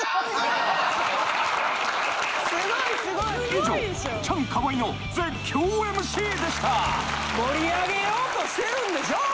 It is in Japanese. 以上チャンカワイの絶叫ＭＣでした盛り上げようとしてるんでしょ。